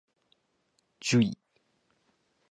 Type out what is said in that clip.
じゅい